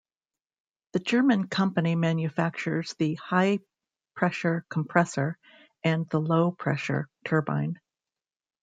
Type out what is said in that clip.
The German company manufactures the high-pressure compressor and the low-pressure turbine.